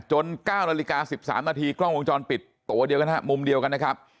๙นาฬิกา๑๓นาทีกล้องวงจรปิดตัวเดียวกันฮะมุมเดียวกันนะครับ